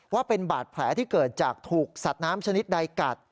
ว่าเป็นบาดแผลที่เกิดจากถูกสัตว์น้ำชนิดใดกัด